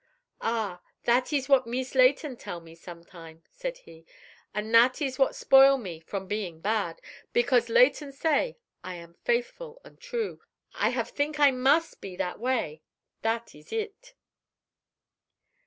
"Ah, that ees what Meest Leighton tell me, some time," said he. "An' that ees what spoil me from being bad. Because Leighton say I am faithful an' true, I have theenk I mus' be that way. That ees it."